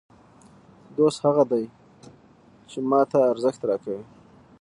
دوست هغه دئ، چي ما ته ارزښت راکوي.